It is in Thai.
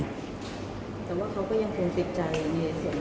แต่ว่าเขาก็ยังคงติดใจในส่วน